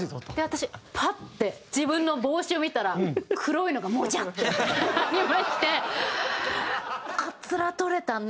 私パッて自分の帽子を見たら黒いのがモジャッて見えましてカツラ取れたんだ。